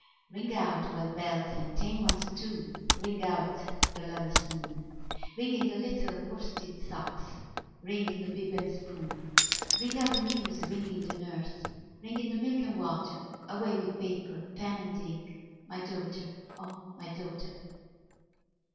Ring out, wild bells, and tame ones too! Ring out the lover's moon! Ring in the little worsted socks! Ring in the bib and spoon! Ring out the muse! ring in the nurse! Ring in the milk and water! Away with paper, pen, and ink My daughter, O my daughter!